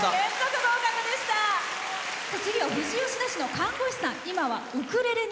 次は富士吉田市の看護師さん。